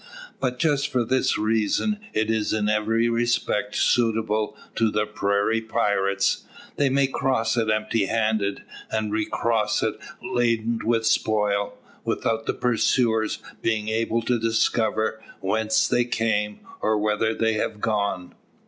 But just for this reason is it in every respect suitable to the prairie pirates. They may cross it empty handed, and recross laden with spoil, without the pursuers being able to discover whence they came, or whither they have gone.